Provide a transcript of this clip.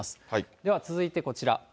では続いて、こちら。